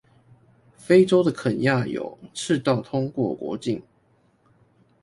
非州的肯亞有赤道通過國境